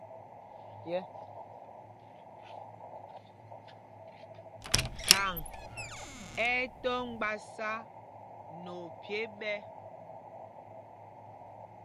Thaŋ ɛ́ ɛ́ tɔ́ mgbásá nɛ ophyē ɓɛ̄.